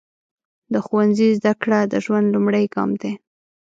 د ښوونځي زده کړه د ژوند لومړی ګام دی.